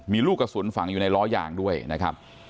มีลูกกระสุนฝังอยู่ในล้อยางด้วยนะครับ